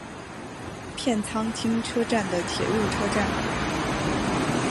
片仓町车站的铁路车站。